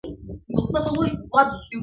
سيلۍ يې بيا پلــــــــــٶ دمخ نه يوړو